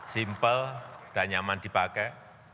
simple dan nyaman dipakai